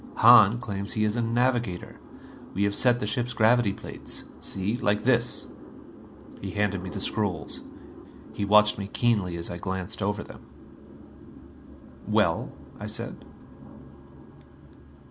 Hahn claims he is a navigator. We have set the ship's gravity plates see, like this." He handed me the scrolls. He watched me keenly as I glanced over them. "Well?" I said.